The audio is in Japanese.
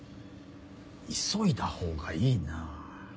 急いだほうがいいな。